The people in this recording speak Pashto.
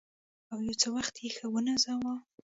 او یو څه وخت یې ښه ونازاوه.